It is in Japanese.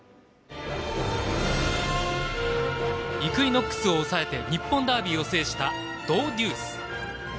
イクイノックスを抑えて日本ダービーを制したドウデュース。